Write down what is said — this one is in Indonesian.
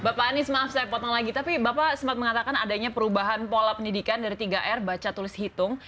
bapak anies maaf saya potong lagi tapi bapak sempat mengatakan adanya perubahan pola pendidikan dari tiga r baca tulis hitung